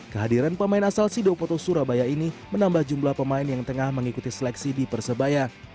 kehadiran pemain asal sidopoto surabaya ini menambah jumlah pemain yang tengah mengikuti seleksi di persebaya